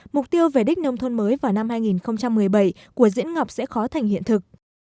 mục tiêu về đích nông thôn mới vào năm hai nghìn một mươi bảy của diễn ngọc sẽ khó thành hiện thực